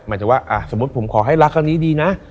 หมายถึงว่าสมมุติผมขอให้รักครั้งนี้ดีนะ